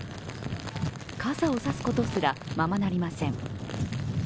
傘を差すことすら、ままなりません